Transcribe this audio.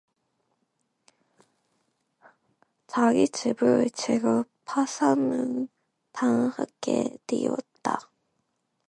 자기 집은 지금 파산을 당하게 되었다.